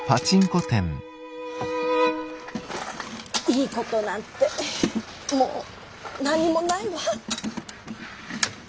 いいことなんてもう何もないわ。